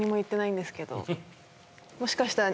もしかしたら